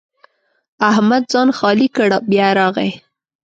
احمد ځان خالي کړ؛ بیا راغی.